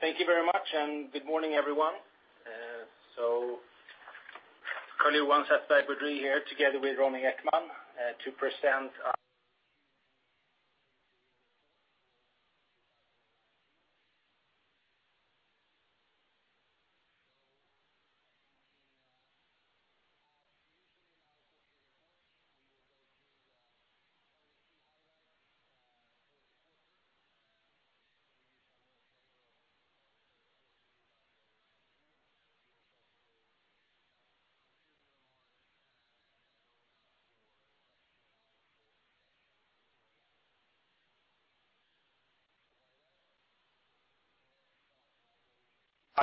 Thank you very much, and good morning, everyone. Carl-Johan Stewart-Jönsson here together with Ronny Ekman to present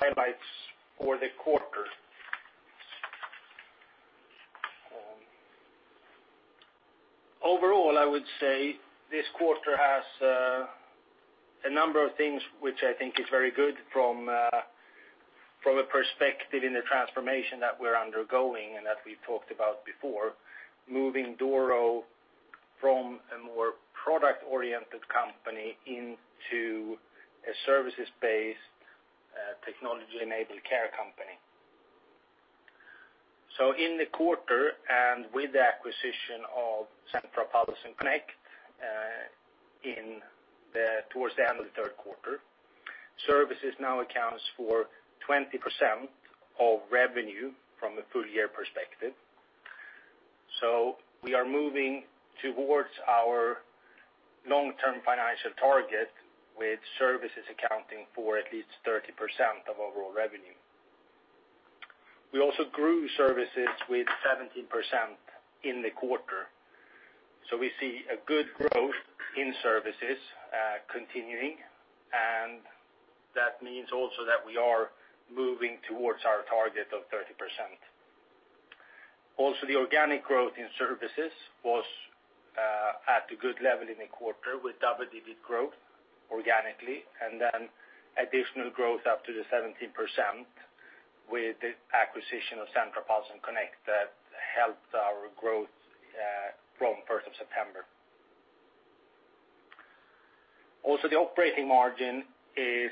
our highlights for the quarter. Overall, I would say this quarter has a number of things which I think is very good from a perspective in the transformation that we're undergoing and that we've talked about before, moving Doro from a more product-oriented company into a services-based, technology-enabled care company. In the quarter, and with the acquisition of Centra Pulse and Connect towards the end of the third quarter, services now accounts for 20% of revenue from a full year perspective. We are moving towards our long-term financial target, with services accounting for at least 30% of overall revenue. We also grew services with 17% in the quarter. We see a good growth in services continuing, and that means also that we are moving towards our target of 30%. The organic growth in services was at a good level in the quarter with double-digit growth organically, and then additional growth up to the 17% with the acquisition of Centra Pulse and Connect that helped our growth from 1st of September. The operating margin is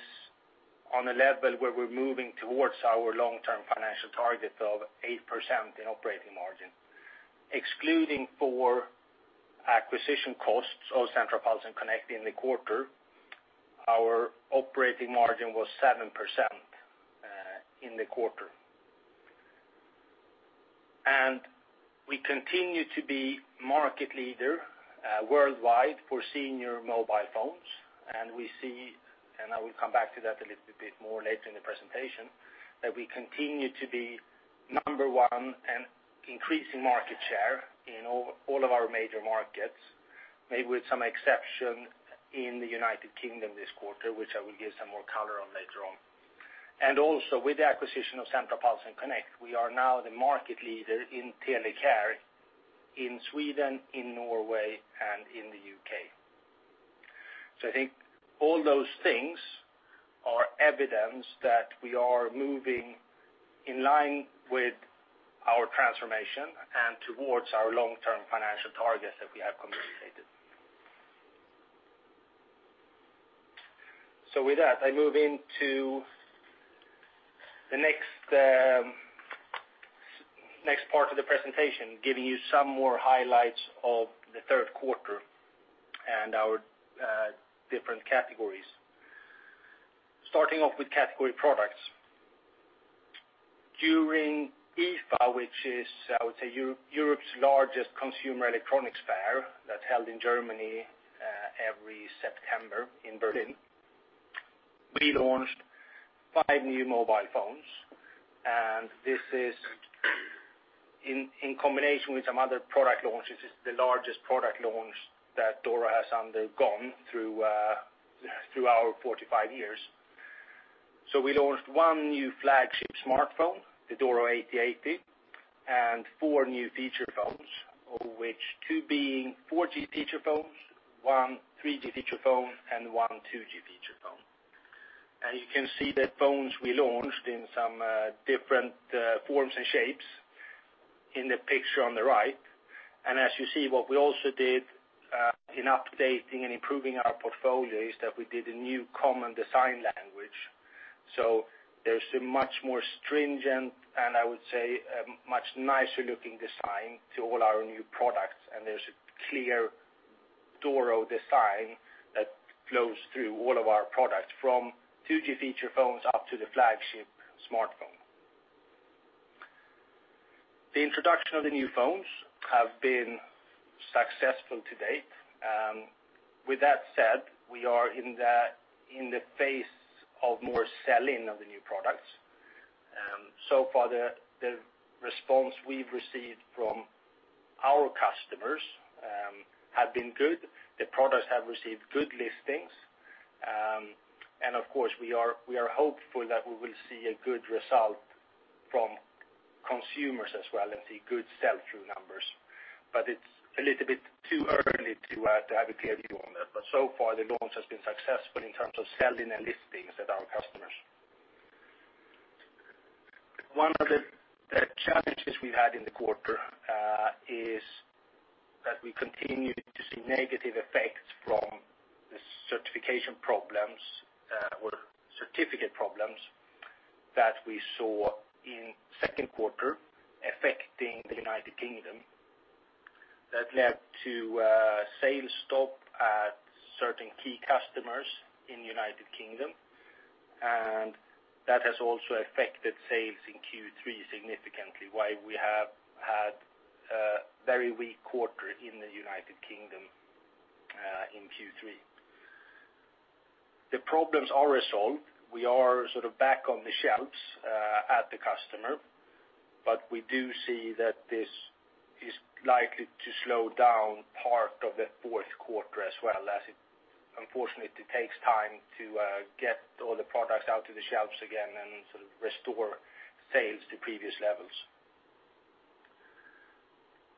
on a level where we're moving towards our long-term financial target of 8% in operating margin. Excluding for acquisition costs of Centra Pulse and Connect in the quarter, our operating margin was 7% in the quarter. We continue to be market leader worldwide for senior mobile phones. We see, and I will come back to that a little bit more later in the presentation, that we continue to be number 1 and increasing market share in all of our major markets, maybe with some exception in the U.K. this quarter, which I will give some more color on later on. Also, with the acquisition of Centra Pulse and Connect, we are now the market leader in telecare in Sweden, in Norway, and in the U.K. I think all those things are evidence that we are moving in line with our transformation and towards our long-term financial targets that we have communicated. With that, I move into the next part of the presentation, giving you some more highlights of the third quarter and our different categories. Starting off with category products. During IFA, which is, I would say, Europe's largest consumer electronics fair that's held in Germany every September in Berlin, we launched five new mobile phones, and this is in combination with some other product launches. This is the largest product launch that Doro has undergone through our 45 years. We launched one new flagship smartphone, the Doro 8080, and four new feature phones, of which two being 4G feature phones, one 3G feature phone, and one 2G feature phone. You can see the phones we launched in some different forms and shapes in the picture on the right. As you see, what we also did in updating and improving our portfolio is that we did a new common design language. There's a much more stringent, and I would say, a much nicer looking design to all our new products. There's a clear Doro design that flows through all of our products, from 2G feature phones up to the flagship smartphone. The introduction of the new phones have been successful to date. With that said, we are in the phase of more selling of the new products. Far, the response we've received from our customers has been good. The products have received good listings. Of course, we are hopeful that we will see a good result from consumers as well and see good sell-through numbers. It's a little bit too early to have a clear view on that. So far, the launch has been successful in terms of selling and listings at our customers. One of the challenges we've had in the quarter is that we continue to see negative effects from the certification problems or certificate problems that we saw in second quarter affecting the U.K. That led to a sales stop at certain key customers in the U.K., and that has also affected sales in Q3 significantly, why we have had a very weak quarter in the U.K. in Q3. The problems are resolved. We are back on the shelves at the customer, we do see that this is likely to slow down part of the fourth quarter as well, as unfortunately, it takes time to get all the products out to the shelves again and restore sales to previous levels.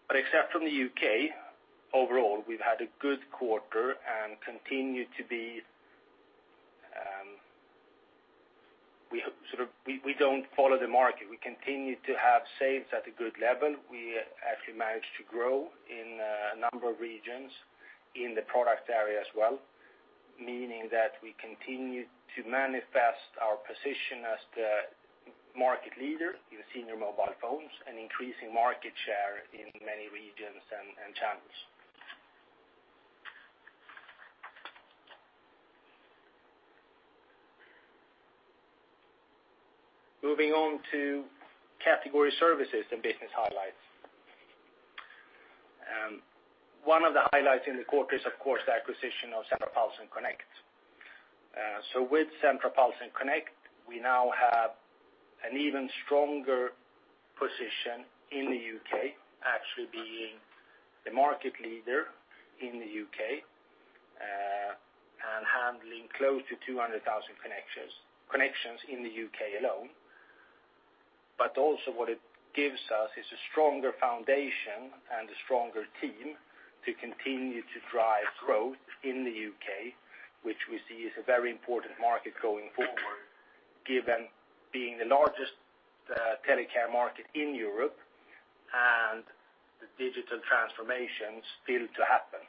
Except from the U.K., overall, we've had a good quarter. We don't follow the market. We continue to have sales at a good level. We actually managed to grow in a number of regions in the product area as well, meaning that we continue to manifest our position as the market leader in senior mobile phones and increasing market share in many regions and channels. Moving on to category services and business highlights. One of the highlights in the quarter is, of course, the acquisition of Centra Pulse and Connect. With Centra Pulse and Connect, we now have an even stronger position in the U.K., actually being the market leader in the U.K., and handling close to 200,000 connections in the U.K. alone. Also what it gives us is a stronger foundation and a stronger team to continue to drive growth in the U.K., which we see is a very important market going forward, given being the largest telecare market in Europe and the digital transformation still to happen.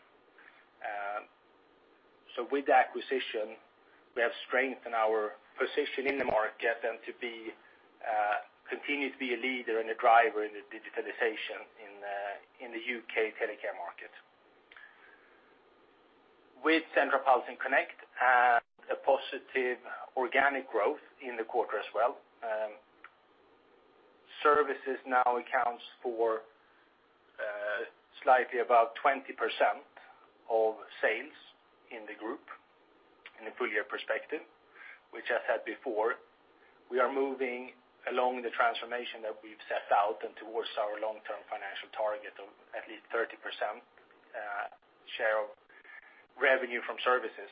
With the acquisition, we have strengthened our position in the market and to continue to be a leader and a driver in the digitalization in the U.K. telecare market. With Centra Pulse and Connect, a positive organic growth in the quarter as well. Services now accounts for slightly above 20% of sales in the group in a full year perspective, which I said before, we are moving along the transformation that we've set out and towards our long-term financial target of at least 30% share of revenue from services.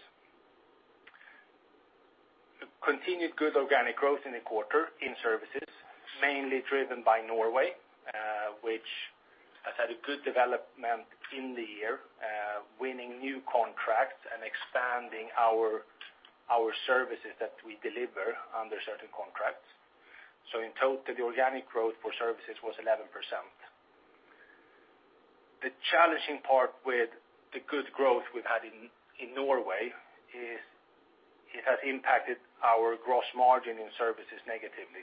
Continued good organic growth in the quarter in services, mainly driven by Norway, which has had a good development in the year, winning new contracts and expanding our services that we deliver under certain contracts. In total, the organic growth for services was 11%. The challenging part with the good growth we've had in Norway is it has impacted our gross margin in services negatively.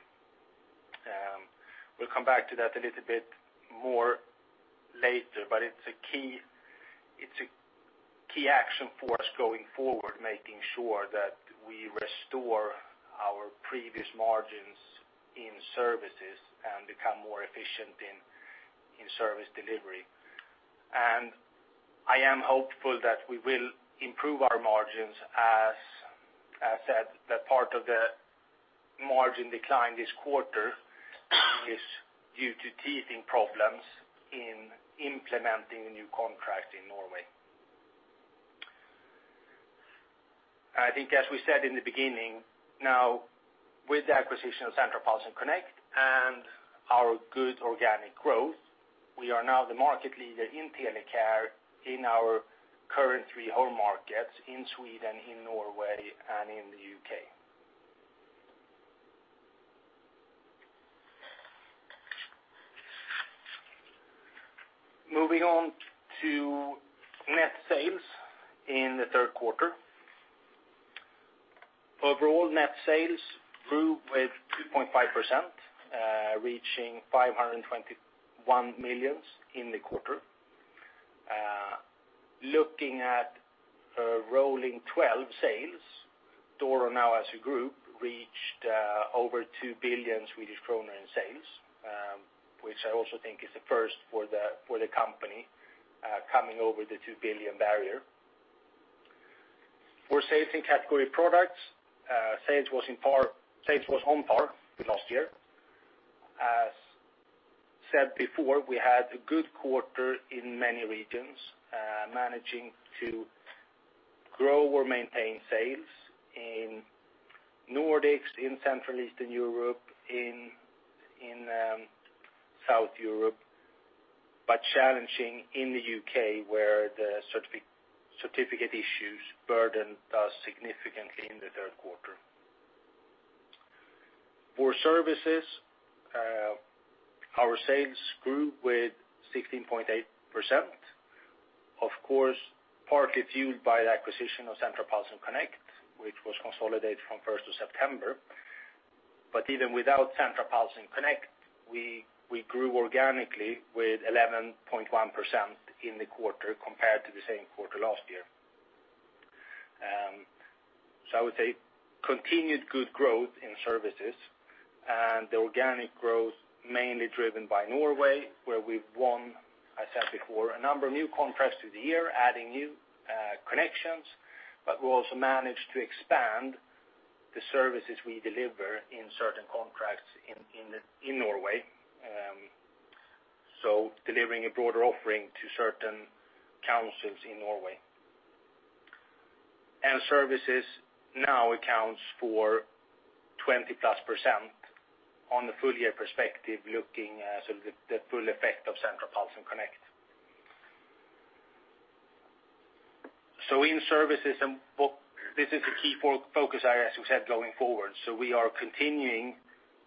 We'll come back to that a little bit more later, but it's a key action for us going forward, making sure that we restore our previous margins in services and become more efficient in service delivery. I am hopeful that we will improve our margins, as I said, that part of the margin decline this quarter is due to teething problems in implementing new contracts in Norway. I think as we said in the beginning, now with the acquisition of Centra Pulse and Connect and our good organic growth, we are now the market leader in telecare in our current three home markets in Sweden, in Norway, and in the U.K. Moving on to net sales in the third quarter. Overall net sales grew with 2.5%, reaching 521 million in the quarter. Looking at rolling 12 sales, Doro now as a group, reached over 2 billion Swedish kronor in sales, which I also think is a first for the company, coming over the 2 billion barrier. For sales in category products, sales was on par with last year. As said before, we had a good quarter in many regions, managing to grow or maintain sales in Nordics, in Central Eastern Europe, in South Europe. Challenging in the U.K., where the certificate issues burdened us significantly in the third quarter. For services, our sales grew with 16.8%, of course, partly fueled by the acquisition of Centra Pulse and Connect, which was consolidated from 1st of September. Even without Centra Pulse and Connect, we grew organically with 11.1% in the quarter compared to the same quarter last year. I would say, continued good growth in services and the organic growth mainly driven by Norway, where we've won, as I said before, a number of new contracts this year, adding new connections. We've also managed to expand the services we deliver in certain contracts in Norway. Delivering a broader offering to certain councils in Norway. Services now accounts for 20-plus % on the full-year perspective, looking at the full effect of Centra Pulse and Connect. In services, this is a key focus area, as we said, going forward. We are continuing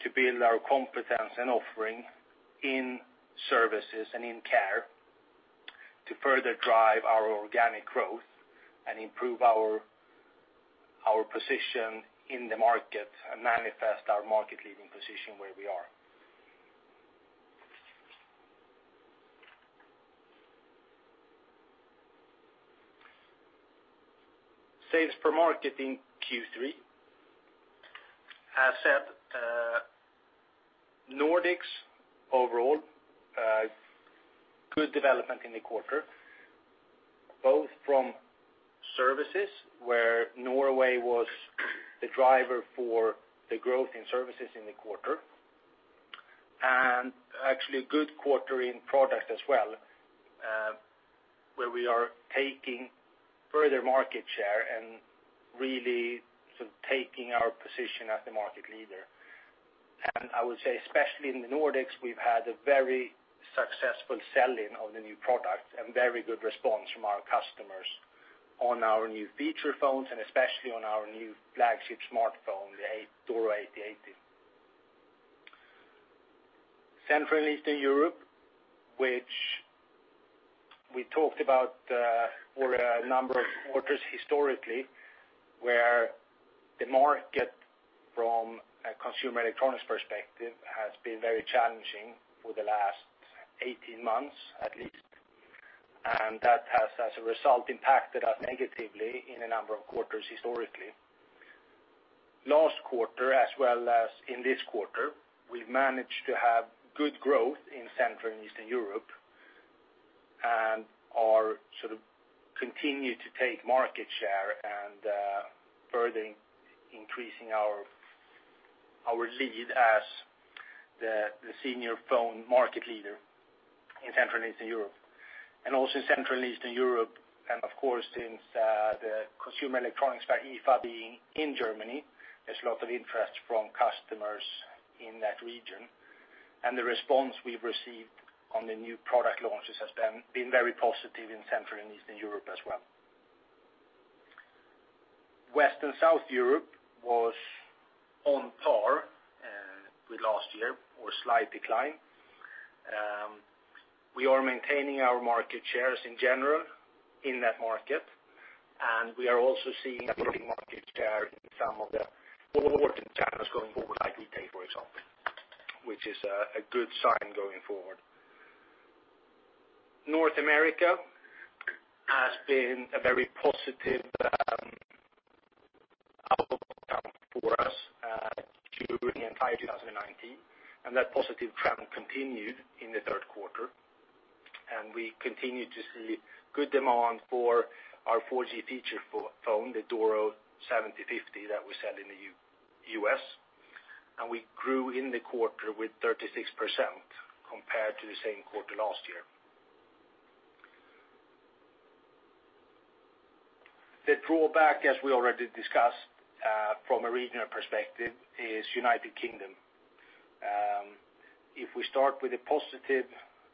to build our competence and offering in services and in care to further drive our organic growth and improve our position in the market and manifest our market-leading position where we are. Sales per market in Q3. As I said, Nordics overall, good development in the quarter, both from services, where Norway was the driver for the growth in services in the quarter, and actually a good quarter in product as well, where we are taking further market share and really taking our position as the market leader. I would say, especially in the Nordics, we've had a very successful sell-in of the new product and very good response from our customers on our new feature phones and especially on our new flagship smartphone, the Doro 8080. Central and Eastern Europe, which we talked about over a number of quarters historically, where the market from a consumer electronics perspective has been very challenging for the last 18 months at least. That has, as a result, impacted us negatively in a number of quarters historically. Last quarter, as well as in this quarter, we've managed to have good growth in Central and Eastern Europe and are continuing to take market share and further increasing our lead as the senior phone market leader in Central and Eastern Europe. Also in Central and Eastern Europe, of course, since the consumer electronics fair IFA being in Germany, there's a lot of interest from customers in that region. The response we've received on the new product launches has been very positive in Central and Eastern Europe as well. West and South Europe was on par with last year or a slight decline. We are maintaining our market shares in general in that market, and we are also seeing market share in some of the important channels going forward, like we take, for example, which is a good sign going forward. North America has been a very positive outcome for us during the entire 2019. That positive trend continued in the third quarter. We continued to see good demand for our 4G feature phone, the Doro 7050 that we sell in the U.S. We grew in the quarter with 36% compared to the same quarter last year. The drawback, as we already discussed from a regional perspective, is U.K. If we start with the positive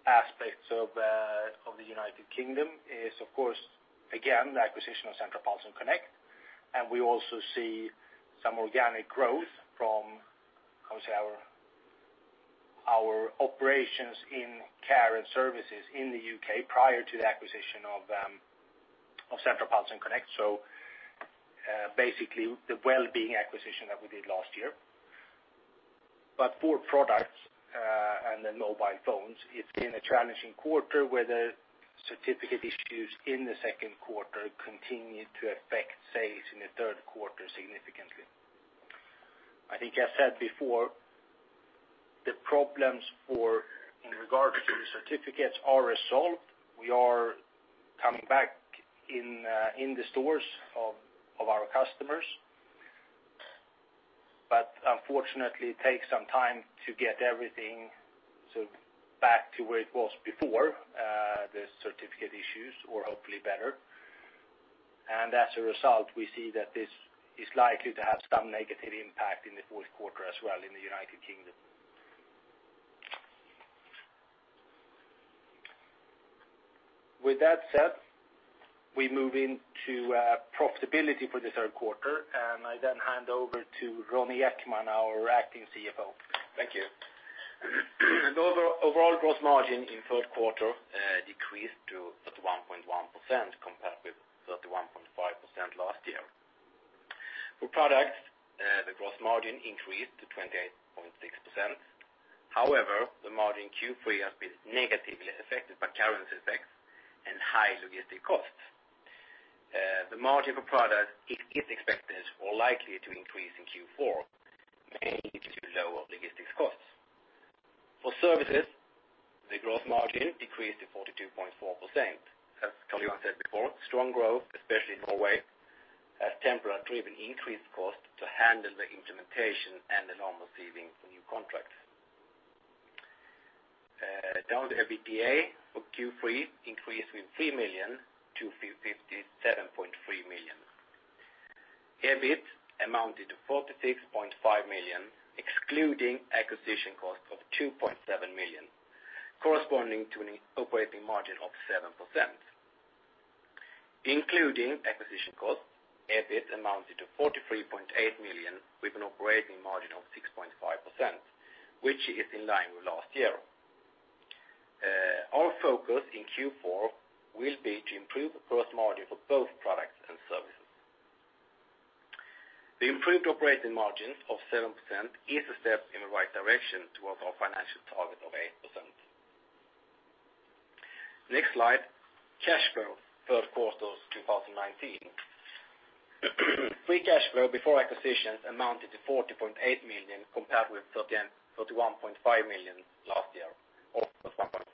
aspects of the U.K. is, of course, again, the acquisition of Centra Pulse and Connect. We also see some organic growth from our operations in care and services in the U.K. prior to the acquisition of Centra Pulse and Connect. Basically, the Welbeing acquisition that we did last year. For products and the mobile phones, it's been a challenging quarter where the certificate issues in the second quarter continued to affect sales in the third quarter significantly. I think I said before, the problems in regard to the certificates are resolved. We are coming back in the stores of our customers. Unfortunately, it takes some time to get everything back to where it was before the certificate issues or hopefully better. As a result, we see that this is likely to have some negative impact in the fourth quarter as well in the U.K. With that said, we move into profitability for the third quarter, and I then hand over to Ronny Ekman, our Acting CFO. Thank you. Overall gross margin in the third quarter decreased to 31.1% compared with 31.5% last year. For products, the gross margin increased to 28.6%. However, the margin in Q3 has been negatively affected by currency effects and high logistic costs. The margin for product is expected or likely to increase in Q4, mainly due to lower logistics costs. For services, the gross margin decreased to 42.4%. As Carl-Johan said before, strong growth, especially in Norway, has temporarily been increased costs to handle the implementation and the normal receiving of new contracts. Down to the EBITDA for Q3 increased with 3 million to 57.3 million. EBIT amounted to 46.5 million, excluding acquisition costs of 2.7 million, corresponding to an operating margin of 7%. Including acquisition costs, EBIT amounted to 43.8 million with an operating margin of 6.5%, which is in line with last year. Our focus in Q4 will be to improve the gross margin for both products and services. The improved operating margin of 7% is a step in the right direction towards our financial target of 8%. Next slide, cash flow third quarter 2019. Free cash flow before acquisitions amounted to 40.8 million compared with 31.5 million last year, or 31.4 million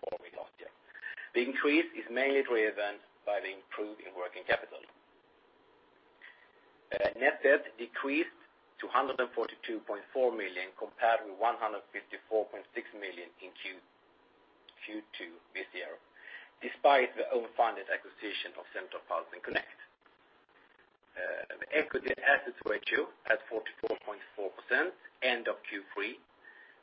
last year. The increase is mainly driven by the improvement in working capital. Net debt decreased to 142.4 million compared with 154.6 million in Q2 this year, despite the overfunded acquisition of Centra Pulse and Connect. The equity assets ratio at 44.4% end of Q3.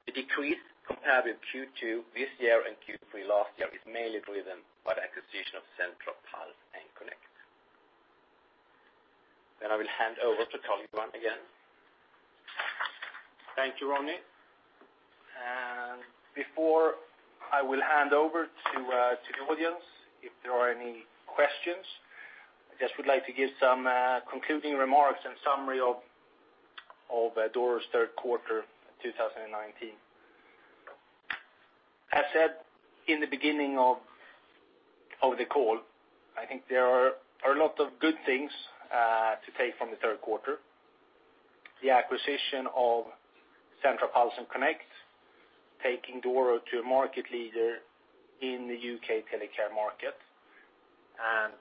The decrease compared with Q2 this year and Q3 last year is mainly driven by the acquisition of Centra Pulse and Connect. I will hand over to Carl-Johan again. Thank you, Ronny. Before I will hand over to the audience, if there are any questions, I just would like to give some concluding remarks and summary of Doro's third quarter 2019. As said in the beginning of the call, I think there are a lot of good things to take from the third quarter. The acquisition of Centra Pulse and Connect, taking Doro to a market leader in the U.K. telecare market, and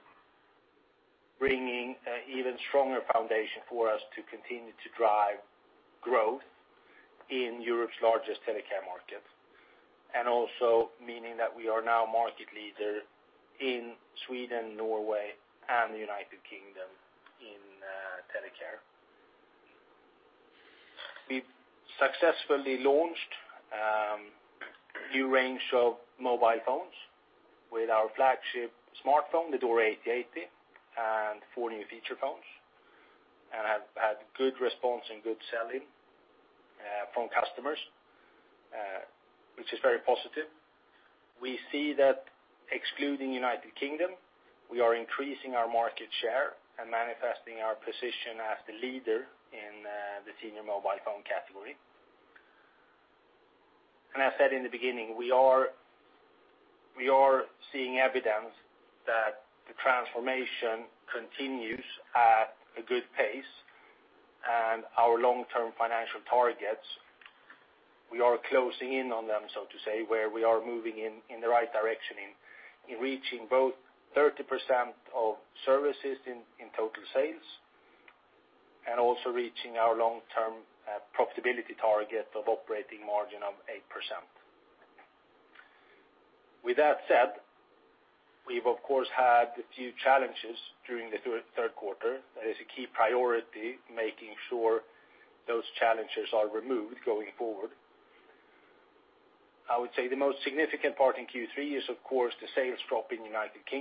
bringing an even stronger foundation for us to continue to drive growth in Europe's largest telecare market. Also meaning that we are now a market leader in Sweden, Norway, and the U.K. in telecare. We've successfully launched a new range of mobile phones with our flagship smartphone, the Doro 8080, and four new feature phones, and have had good response and good sell-in from customers, which is very positive. We see that excluding U.K., we are increasing our market share and manifesting our position as the leader in the senior mobile phone category. I said in the beginning, we are seeing evidence that the transformation continues at a good pace, and our long-term financial targets, we are closing in on them, so to say, where we are moving in the right direction in reaching both 30% of services in total sales, also reaching our long-term profitability target of operating margin of 8%. With that said, we've of course had a few challenges during the third quarter. That is a key priority, making sure those challenges are removed going forward. I would say the most significant part in Q3 is of course the sales drop in the U.K.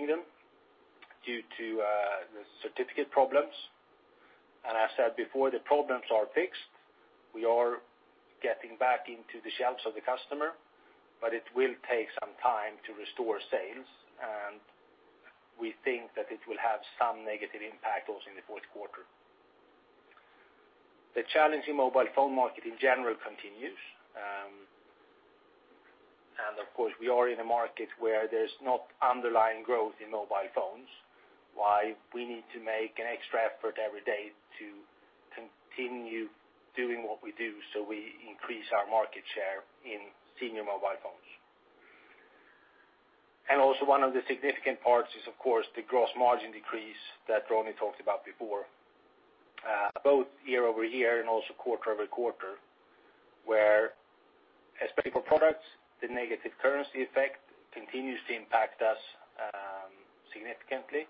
due to the certificate problems. As said before, the problems are fixed. We are getting back into the shelves of the customer, but it will take some time to restore sales. We think that it will have some negative impact also in the fourth quarter. The challenge in mobile phone market in general continues. Of course, we are in a market where there's no underlying growth in mobile phones, why we need to make an extra effort every day to continue doing what we do so we increase our market share in senior mobile phones. One of the significant parts is of course the gross margin decrease that Ronny talked about before. Both year-over-year and also quarter-over-quarter, where as for products, the negative currency effect continues to impact us significantly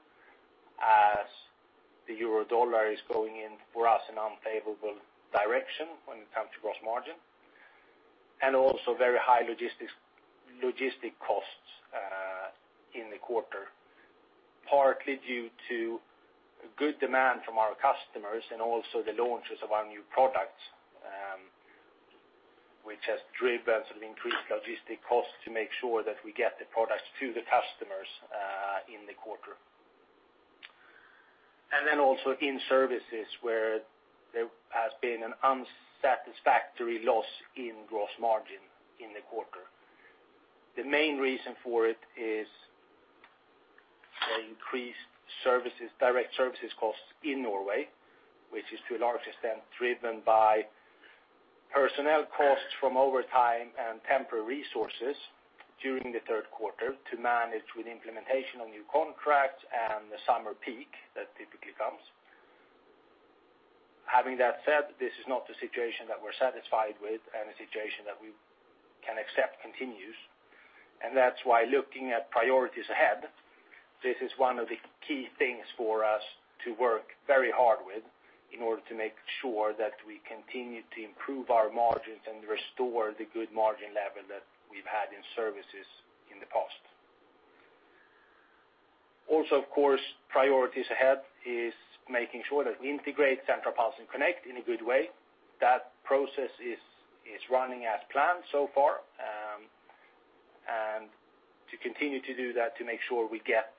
as the EUR is going in for us an unfavorable direction when it comes to gross margin, and also very high logistics costs in the quarter. Partly due to good demand from our customers and also the launches of our new products, which has driven some increased logistics costs to make sure that we get the products to the customers in the quarter. Also in services, where there has been an unsatisfactory loss in gross margin in the quarter. The main reason for it is the increased direct services costs in Norway, which is to a large extent driven by personnel costs from overtime and temporary resources during the third quarter to manage with implementation of new contracts and the summer peak that typically comes. Having that said, this is not the situation that we're satisfied with and the situation that we can accept continues. That's why looking at priorities ahead, this is one of the key things for us to work very hard with in order to make sure that we continue to improve our margins and restore the good margin level that we've had in services in the past. Also, of course, priorities ahead is making sure that we integrate Centra Pulse and Connect in a good way. That process is running as planned so far. To continue to do that, to make sure we get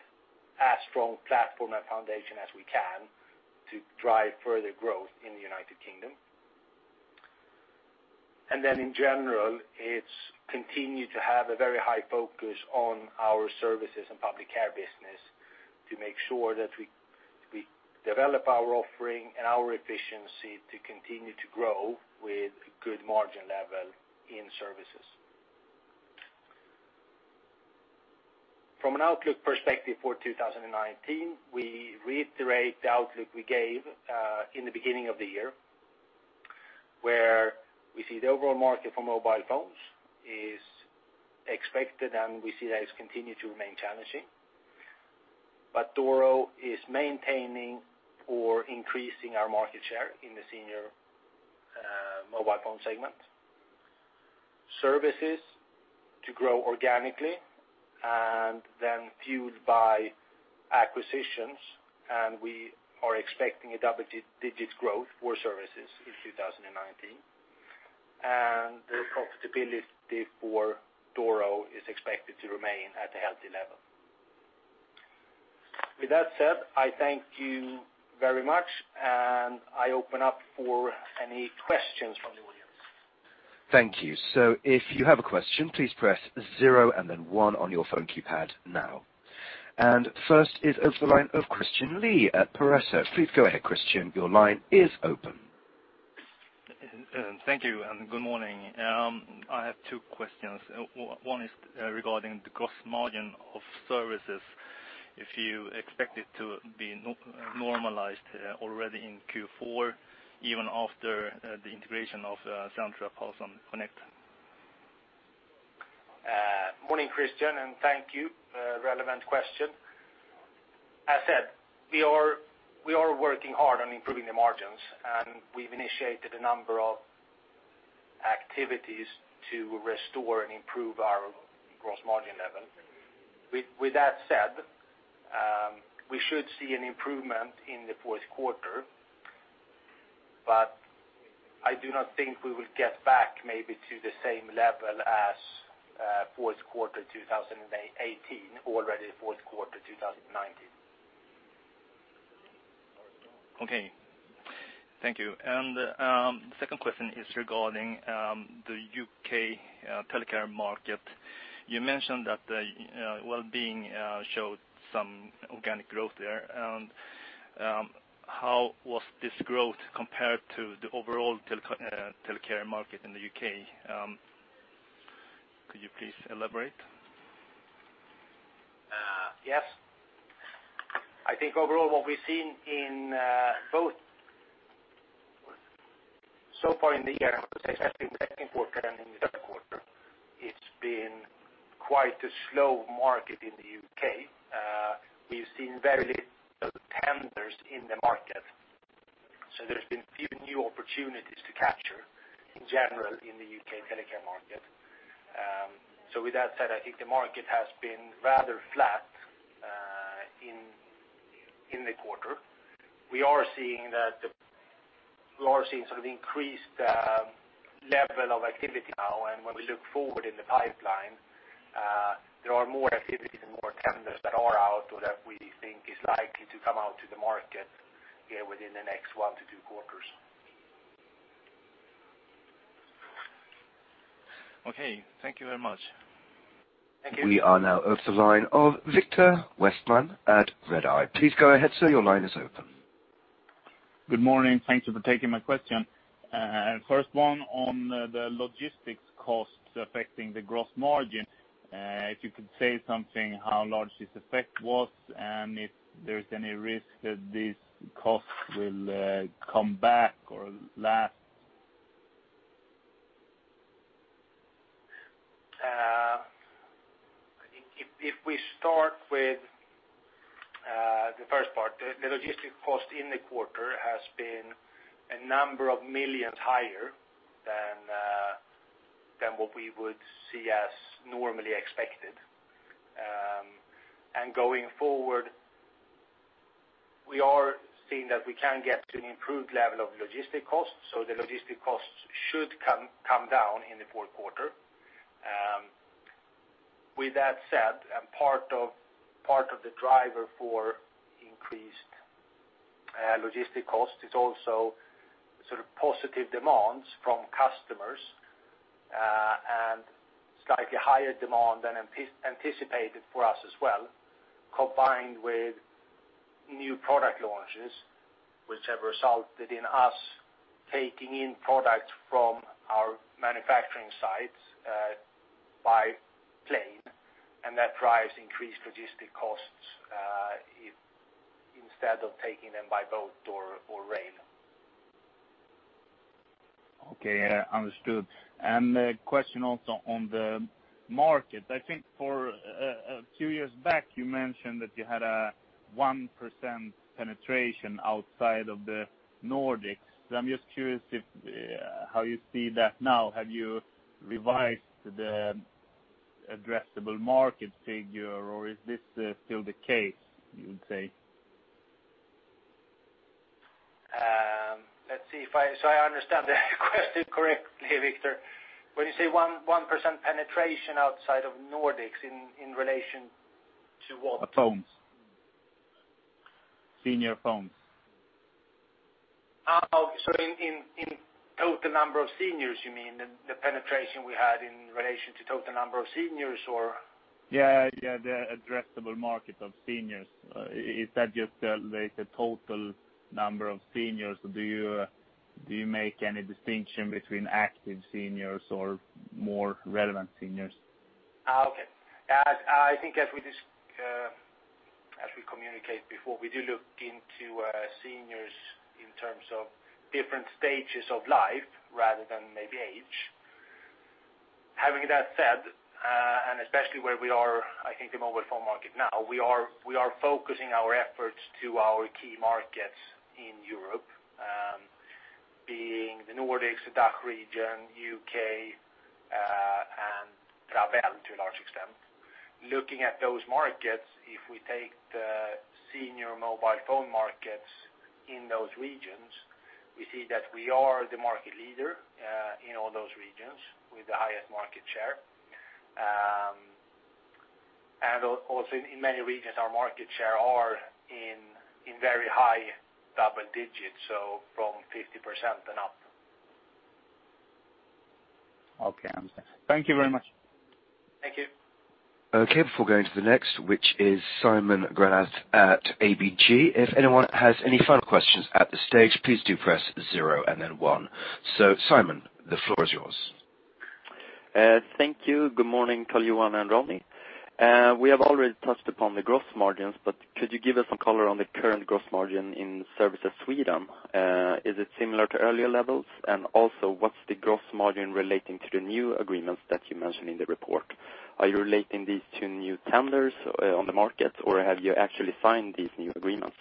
as strong platform and foundation as we can to drive further growth in the United Kingdom. In general, it's continued to have a very high focus on our services and public care business to make sure that we develop our offering and our efficiency to continue to grow with a good margin level in services. From an outlook perspective for 2019, we reiterate the outlook we gave in the beginning of the year, where we see the overall market for mobile phones is expected and we see that it's continued to remain challenging. Doro is maintaining or increasing our market share in the senior mobile phone segment. Services to grow organically and then fueled by acquisitions, and we are expecting a double-digit growth for services in 2019. The profitability for Doro is expected to remain at a healthy level. With that said, I thank you very much, and I open up for any questions from the audience. Thank you. If you have a question, please press zero and then one on your phone keypad now. First is of the line of Christian Lee at Pareto Securities. Please go ahead, Christian. Your line is open. Thank you. Good morning. I have two questions. One is regarding the gross margin of services. If you expect it to be normalized already in Q4, even after the integration of Centra Pulse and Connect. Morning, Christian, and thank you. Relevant question. As said, we are working hard on improving the margins, and we've initiated a number of activities to restore and improve our gross margin level. With that said, we should see an improvement in the fourth quarter. I do not think we will get back maybe to the same level as fourth quarter 2018, already fourth quarter 2019. Okay. Thank you. The second question is regarding the U.K. telecare market. You mentioned that Welbeing showed some organic growth there. How was this growth compared to the overall telecare market in the U.K.? Could you please elaborate? Yes. I think overall, what we've seen in both so far in the year, I would say especially in the second quarter and in the third quarter, it's been quite a slow market in the U.K. We've seen very little tenders in the market, so there's been few new opportunities to capture in general in the U.K. telecare market. With that said, I think the market has been rather flat in the quarter. We are seeing sort of increased level of activity now. When we look forward in the pipeline, there are more activities and more tenders that are out or that we think is likely to come out to the market here within the next one to two quarters. Okay. Thank you very much. Thank you. We are now of the line of Viktor Westman at Redeye. Please go ahead, sir. Your line is open. Good morning. Thank you for taking my question. First one on the logistics costs affecting the gross margin. If you could say something, how large this effect was, and if there's any risk that these costs will come back or last? If we start with the first part, the logistic cost in the quarter has been a number of millions higher than what we would see as normally expected. Going forward, we are seeing that we can get to an improved level of logistic costs, so the logistic costs should come down in the fourth quarter. With that said, part of the driver for increased logistic cost is also positive demands from customers, and slightly higher demand than anticipated for us as well, combined with new product launches, which have resulted in us taking in products from our manufacturing sites by plane, and that drives increased logistic costs instead of taking them by boat or rail. Okay. Understood. A question also on the market. I think a few years back, you mentioned that you had a 1% penetration outside of the Nordics. I'm just curious how you see that now. Have you revised the addressable market figure, or is this still the case, you would say? Let's see. I understand the question correctly, Viktor. When you say 1% penetration outside of Nordics, in relation to what? Phones. Senior phones. In total number of seniors, you mean? The penetration we had in relation to total number of seniors, or? Yeah. The addressable market of seniors, is that just the total number of seniors, or do you make any distinction between active seniors or more relevant seniors? Okay. I think, as we communicated before, we do look into seniors in terms of different stages of life, rather than maybe age. Having that said, and especially where we are, I think the mobile phone market now, we are focusing our efforts to our key markets in Europe, being the Nordics, the DACH region, U.K., and France to a large extent. Looking at those markets, if we take the senior mobile phone markets in those regions, we see that we are the market leader in all those regions with the highest market share. Also in many regions, our market share are in very high double digits, so from 50% and up. Okay. Understood. Thank you very much. Thank you. Okay. Before going to the next, which is Simon Granath at ABG, if anyone has any further questions at this stage, please do press zero and then one. Simon, the floor is yours. Thank you. Good morning, Carl-Johan and Ronny. We have already touched upon the gross margins, but could you give us some color on the current gross margin in service of Sweden? Is it similar to earlier levels? Also, what's the gross margin relating to the new agreements that you mentioned in the report? Are you relating these to new tenders on the market, or have you actually signed these new agreements?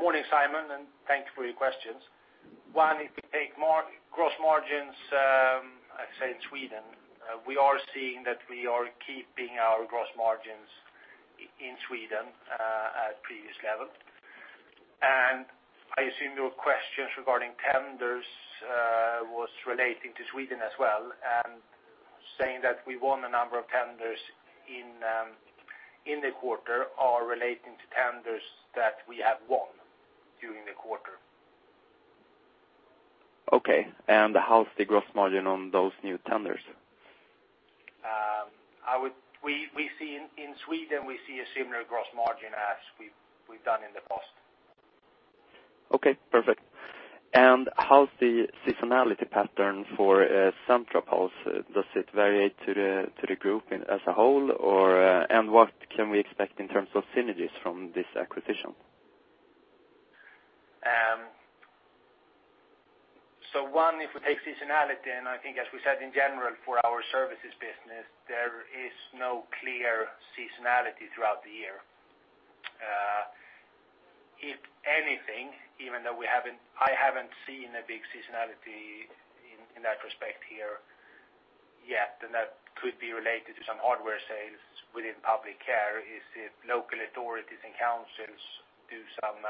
Morning, Simon. Thank you for your questions. One, if we take gross margins, I'd say in Sweden, we are seeing that we are keeping our gross margins in Sweden at previous level. I assume your questions regarding tenders was relating to Sweden as well, and saying that we won a number of tenders in the quarter are relating to tenders that we have won during the quarter. Okay. How's the gross margin on those new tenders? In Sweden, we see a similar gross margin as we've done in the past. Okay, perfect. How's the seasonality pattern for Centra Pulse? Does it vary to the group as a whole, and what can we expect in terms of synergies from this acquisition? One, if we take seasonality, and I think, as we said, in general for our services business, there is no clear seasonality throughout the year. If anything, even though I haven't seen a big seasonality in that respect here yet, and that could be related to some hardware sales within public care, is if local authorities and councils do some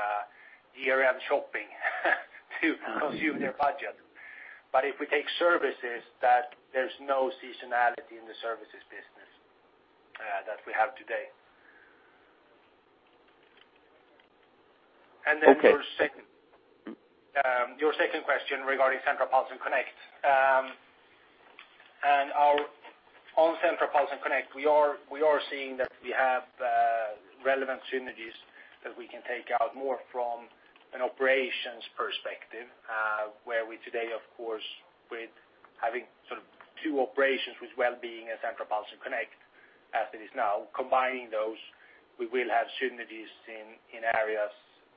year-end shopping to consume their budget. If we take services, there's no seasonality in the services business that we have today. Okay. Your second question regarding Centra Pulse Connect. Centra Pulse Connect, we are seeing that we have relevant synergies that we can take out more from an operations perspective, where we today, of course, with having two operations with Welbeing and Centra Pulse Connect as it is now, combining those, we will have synergies in areas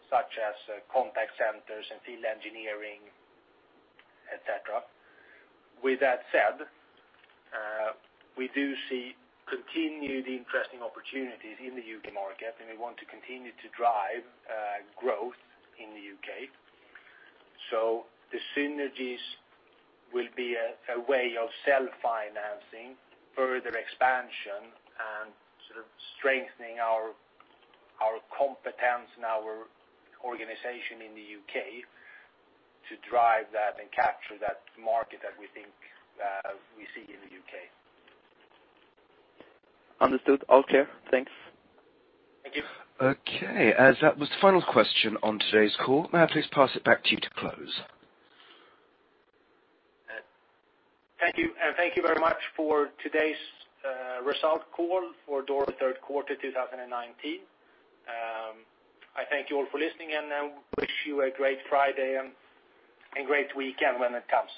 such as contact centers and field engineering, et cetera. With that said, we do see continued interesting opportunities in the U.K. market, and we want to continue to drive growth in the U.K. The synergies will be a way of self-financing further expansion and strengthening our competence and our organization in the U.K. to drive that and capture that market that we think we see in the U.K. Understood. All clear. Thanks. Thank you. Okay. As that was the final question on today's call, may I please pass it back to you to close? Thank you. Thank you very much for today's result call for Doro third quarter 2019. I thank you all for listening, and I wish you a great Friday and great weekend when it comes.